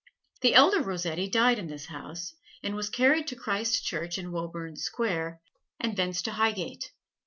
The elder Rossetti died in this house, and was carried to Christ Church in Woburn Square, and thence to Highgate.